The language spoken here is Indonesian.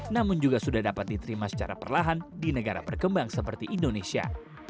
namun juga sudah dapat diterima secara perlahan di negara berkembang seperti indonesia